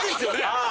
ああ！